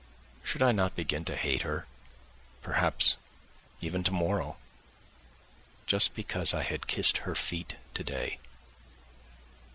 Should I not begin to hate her, perhaps, even tomorrow, just because I had kissed her feet today?